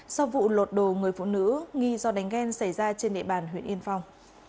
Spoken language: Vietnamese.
sau vụ lột đồ người phụ nữ nghi do đánh ghen xảy ra trên địa bàn huyện yên phong